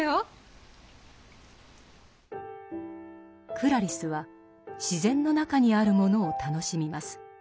クラリスは自然の中にあるものを楽しみます。